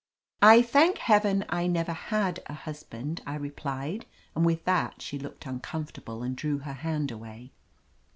"I thank Heaven I never had a husband," I replied, and with that she looked uncomfort able and drew her hand away.